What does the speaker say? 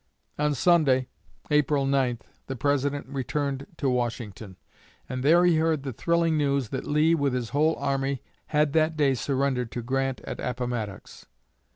On Sunday, April 9, the President returned to Washington; and there he heard the thrilling news that Lee, with his whole army, had that day surrendered to Grant at Appomattox.